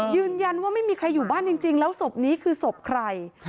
ยืนยันว่าไม่มีใครอยู่บ้านจริงแล้วศพนี้คือศพใคร